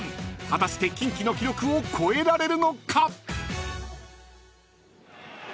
［果たしてキンキの記録を超えられるのか？］